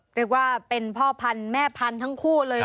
เรียกว่าเป็นพ่อพันธุ์แม่พันธุ์ทั้งคู่เลย